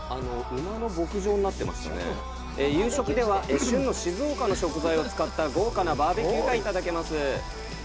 夕食では、旬の静岡の食材を使った豪華なＢＢＱがいただけます。